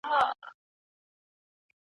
په دغي برخي کي ډېر کارونه پاته دي.